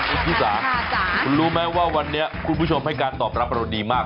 คุณชิสาคุณรู้ไหมว่าวันนี้คุณผู้ชมให้การตอบรับเราดีมาก